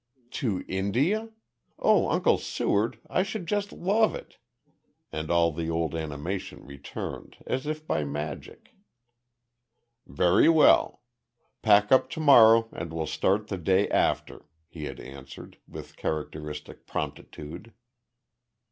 "To India? Oh, Uncle Seward, I should just love it," and all the old animation returned, as if by magic. "Very well. Pack up to morrow and we'll start the day after," he had answered, with characteristic promptitude.